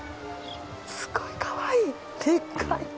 すごいかわいいでっかい。